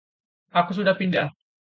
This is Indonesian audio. Aku sudah pindah.